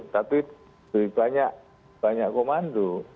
tapi banyak komando